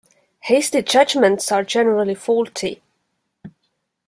Hasty judgements are generally faulty.